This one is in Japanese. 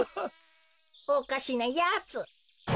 おかしなやつ。